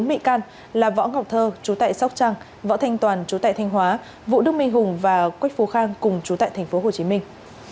một mươi thành phố hồ chí minh đã khởi tố bốn mỹ can là võ ngọc thơ chú tại sóc trăng võ thanh toàn chú tại thanh hóa vũ đức minh hùng và quách phú khang cùng chú tại thành phố hồ chí minh